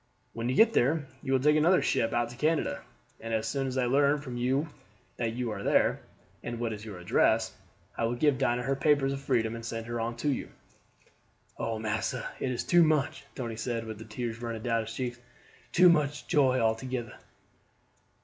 "When you get there you will take another ship out to Canada, and as soon as I learn from you that you are there, and what is your address, I will give Dinah her papers of freedom and send her on to you." "Oh, massa, it is too much," Tony said, with the tears running down his cheeks; "too much joy altogeder."